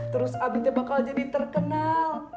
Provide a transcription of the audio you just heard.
terus abidnya bakal jadi terkenal